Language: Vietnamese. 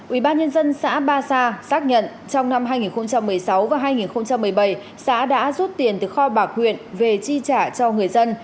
ubnd xã ba sa xác nhận trong năm hai nghìn một mươi sáu và hai nghìn một mươi bảy xã đã rút tiền từ kho bạc huyện về chi trả cho người dân